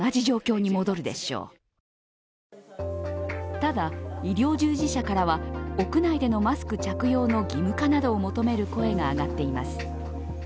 ただ医療従事者からは屋内でのマスク着用の義務化などを求める声が上がっています。